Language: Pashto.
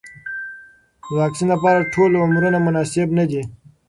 د واکسین لپاره ټول عمرونه مناسب نه دي.